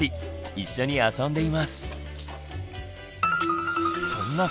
一緒に遊んでいます。